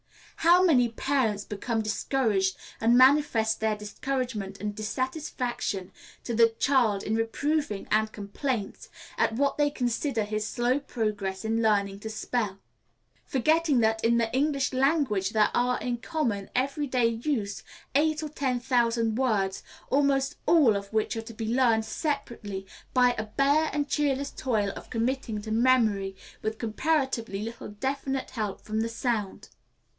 How many parents become discouraged, and manifest their discouragement and dissatisfaction to the child in reproving and complaints, at what they consider his slow progress in learning to spell forgetting that in the English language there are in common, every day use eight or ten thousand words, almost all of which are to be learned separately, by a bare and cheerless toil of committing to memory, with comparatively little definite help from the sound.